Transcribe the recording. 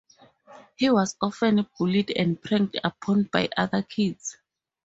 He was often bullied and pranked upon by other kids.